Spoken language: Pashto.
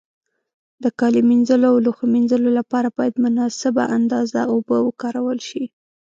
د کالي مینځلو او لوښو مینځلو له پاره باید مناسبه اندازه اوبو وکارول شي.